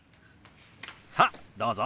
さあどうぞ！